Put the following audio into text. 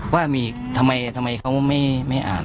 ว่ามีทำไมเขาไม่อ่าน